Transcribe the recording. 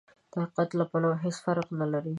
د حقيقت له پلوه هېڅ فرق نه لري.